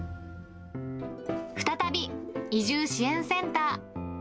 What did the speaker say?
再び、移住支援センター。